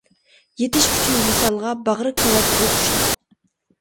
يىتىش ئۈچۈن ۋىسالغا، باغرى كاۋاپ بۇ قۇشنىڭ.